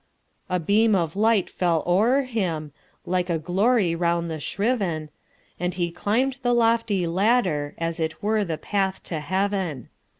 A beam of light fell o'er him, Like a glory round the shriven, And he climb'd the lofty ladderAs it were the path to heaven.